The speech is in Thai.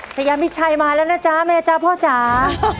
ชายามิดชัยมาแล้วนะจ๊ะแม่จ๊ะพ่อจ๋า